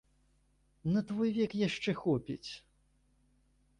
На твой век яшчэ хопіць.